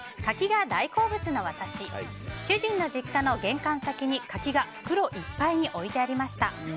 柿が大好物の私主人の実家の玄関先に柿が袋いっぱいに置いてありました。